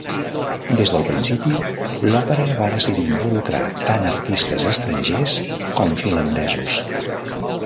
Des del principi, l'òpera va decidir involucrar tant artistes estrangers com finlandesos.